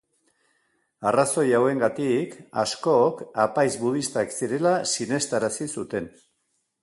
Arrazoi hauengatik, askok, apaiz budistak zirela sinestarazi zuten.